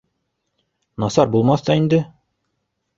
Насар булмаҫ та инде